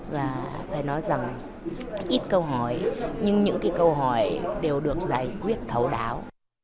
và phải nói rằng ít câu hỏi nhưng những câu hỏi đều được giải quyết thấu đáo